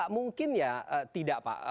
mungkin ya tidak pak